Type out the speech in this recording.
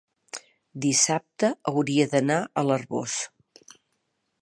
dissabte hauria d'anar a l'Arboç.